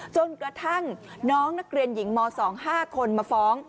จนกระทั่งน้องนักเรียนหญิงม๒๕คนมาฟ้อง